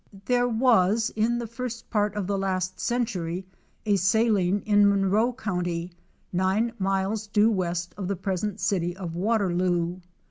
There was in the first part of the last century a saline in Monroe county, nine miles due west of the present city of Waterloo.